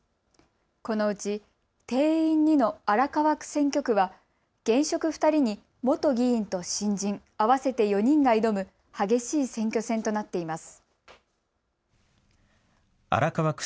このうち定員２の荒川区選挙区は現職２人に元議員と新人、合わせて４人が挑む激しい選挙戦となっています。